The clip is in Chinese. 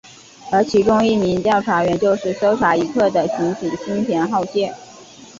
而其中一名调查员就是搜查一课的刑警新田浩介。